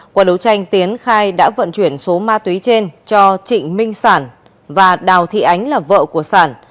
qua đấu tranh tiến khai đã vận chuyển số ma túy trên cho trịnh minh sản và đào thị ánh là vợ của sản